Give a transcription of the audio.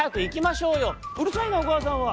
「うるさいなおかあさんは！